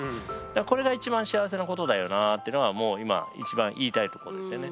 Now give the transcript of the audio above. これが一番幸せなことだよなっていうのがもう今一番言いたいところですよね。